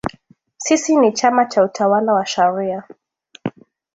Sisi ni chama cha utawala wa sharia